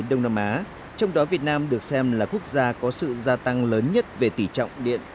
đông nam á trong đó việt nam được xem là quốc gia có sự gia tăng lớn nhất về tỷ trọng điện